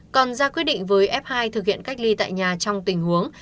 còn ra quyết định với f hai thực hiện cách ly tại nhà trong tình huống